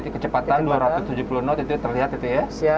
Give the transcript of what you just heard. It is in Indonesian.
kecepatan dua ratus tujuh puluh knot itu terlihat itu ya